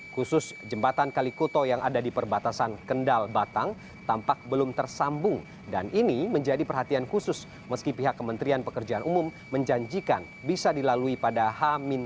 khusus jembatan kalikuto yang ada di perbatasan kendal batang tampak belum tersambung dan ini menjadi perhatian khusus meski pihak kementerian pekerjaan umum menjanjikan bisa dilalui pada h dua